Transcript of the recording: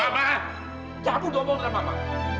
mama jangan berbohong sama mama